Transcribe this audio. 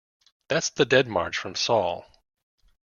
That's the Dead March from 'Saul'.